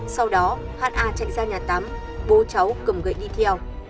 sau đó ha chạy ra nhà tắm bố cháu cầm gậy đi theo